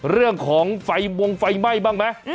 เรื่องของวงไฟไหม้บ้างมั้ย